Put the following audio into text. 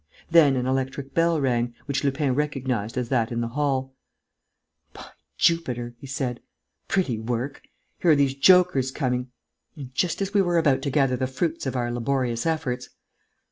Then an electric bell rang, which Lupin recognized as that in the hall: "By Jupiter!" he said. "Pretty work! Here are these jokers coming ... and just as we were about to gather the fruits of our laborious efforts!